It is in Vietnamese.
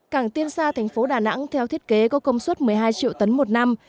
cảng tiên sa thành phố đà nẵng theo thiết kế có công suất một mươi hai triệu tấn một năm